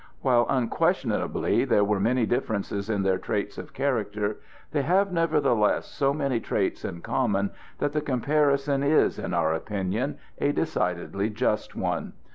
While unquestionably there are many differences in their traits of character, they have nevertheless so many traits in common that the comparison is, in our opinion, a decidedly just one.